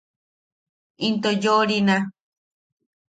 Into yo’orina.